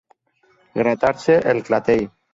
Gratar-se el clatell.